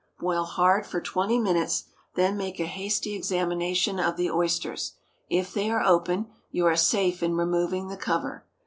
Boil hard for twenty minutes, then make a hasty examination of the oysters. If they are open, you are safe in removing the cover.